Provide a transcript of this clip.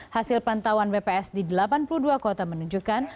hasil pantauan bps di delapan puluh dua kota menunjukkan